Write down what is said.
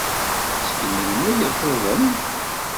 Seg melmi ay tuḍen?